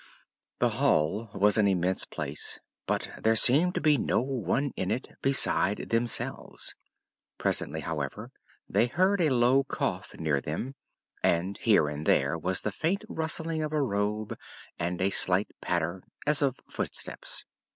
The hall was an immense place, but there seemed to be no one in it beside themselves. Presently, however, they heard a low cough near them, and here and there was the faint rustling of a robe and a slight patter as of footsteps.